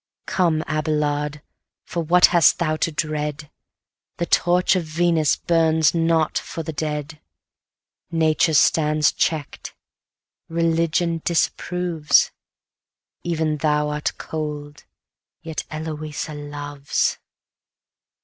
Come, Abelard! for what hast thou to dread? The torch of Venus burns not for the dead. Nature stands check'd; Religion disapproves; Even thou art cold yet Eloisa loves.